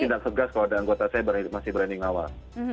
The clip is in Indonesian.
saya tidak segas kalau ada anggota saya masih branding awal